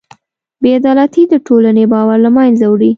بېعدالتي د ټولنې باور له منځه وړي.